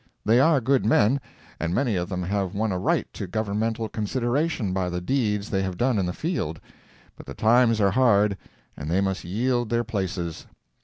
They are good men, and many of them have won a right to Governmental consideration by the deeds they have done in the field, but the times are hard and they must yield their places.